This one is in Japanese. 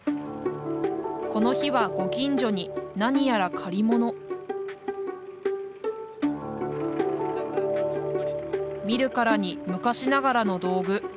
この日はご近所に何やら借りもの見るからに昔ながらの道具。